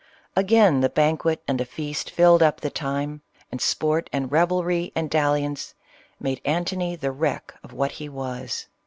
Again the banquet and the feast filled up the time ; and sport, and revelry, and dalliance, made Antony the wreck of what he was.